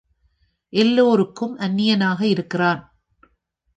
எல்லாருக்கும் அந்நியனாக இருக்கிறான்.